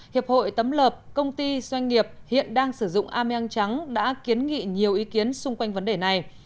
hiệp hội tấm lợp công ty doanh nghiệp hiện đang sử dụng ameang trắng đã kiến nghị nhiều ý kiến xung quanh vấn đề này